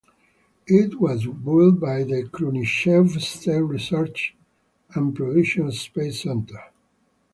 It was built by the Khrunichev State Research and Production Space Center.